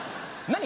何？